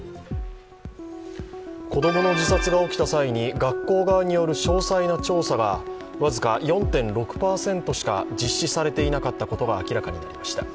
子供の自殺が起きた際に学校側による詳細な調査が僅か４．６％しか実施されていなかったことが明らかになりました。